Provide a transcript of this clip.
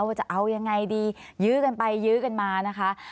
ว่าจะเอายังไงดียื้อกันไปยื้อกันมานะคะ